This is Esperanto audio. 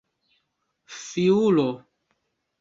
fiulo